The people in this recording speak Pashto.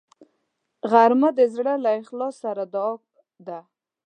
غرمه د زړه له اخلاص سره دعا ده